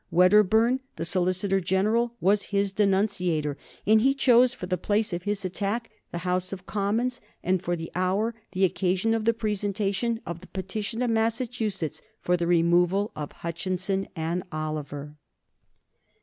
Wedderburn, the Solicitor General, was his denunciator, and he chose for the place of his attack the House of Commons, and for the hour the occasion of the presentation of the petition of Massachusetts for the removal of Hutchinson and Oliver.